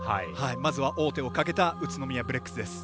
まずは王手をかけた宇都宮ブレックスです。